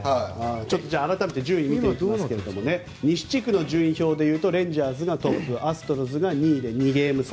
改めて順位を見ていきますが西地区の順位表でいうとレンジャーズが１位アストロズが２位で２ゲーム差。